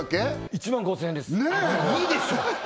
１万５０００円ですねぇいいでしょ